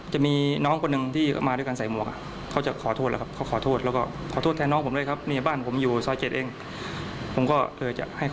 จะมีมีนอกนึงที่มีคนมาได้แบบนี้